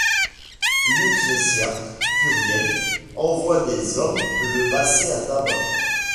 Lucrecia Curiel envoie des hommes le passer à tabac.